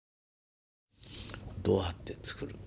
どうやって作る。